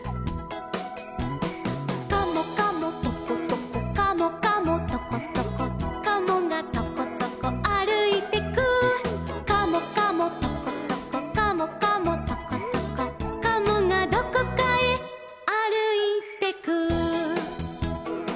「カモカモトコトコカモカモトコトコ」「カモがトコトコあるいてく」「カモカモトコトコカモカモトコトコ」「カモがどこかへあるいてく」